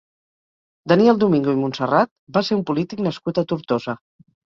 Daniel Domingo i Montserrat va ser un polític nascut a Tortosa.